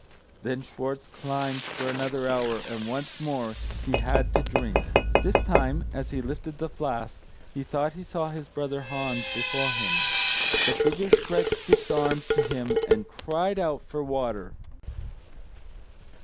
Then Schwartz climbed for another hour, and once more he had to drink. This time, as he lifted the flask, he thought he saw his brother Hans before him. The figure stretched its arms to him, and cried out for water.